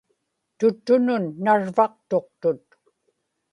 tuttunun narvaqtuqtut